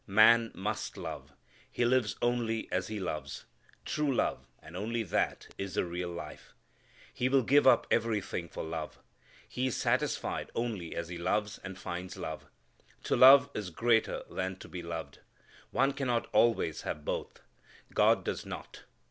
Man must love. He lives only as he loves. True love, and only that, is the real life. He will give up everything for love. He is satisfied only as he loves and finds love. To love is greater than to be loved. One cannot always have both. God does not.